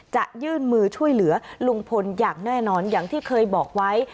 จะยื่นมือช่วยเหลือลุงพลอย่างแน่นอนอย่างที่เคยบอกไว้